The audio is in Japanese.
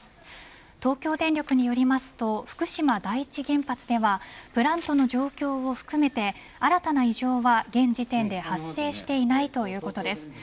東京電力によると福島第一原発ではプラントの状況を含めて新たな異常は現時点で発生していないということです。